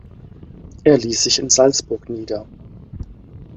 Er ließ sich in Salzburg nieder.